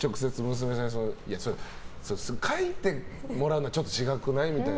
娘さんに直接書いてもらうのはちょっと違くない？みたいな。